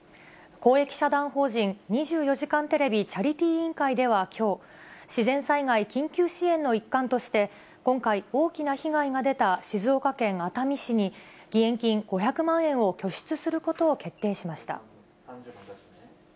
公益社団法人２４時間テレビチャリティー委員会ではきょう、自然災害緊急支援の一環として、今回、大きな被害が出た静岡県熱海市に、義援金５００万円を拠出することを決定しました。